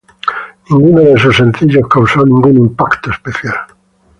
Ninguno de sus sencillos causó ningún impacto especial.